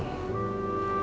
makasih ya ken